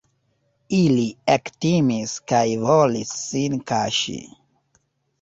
Ili ektimis kaj volis sin kaŝi.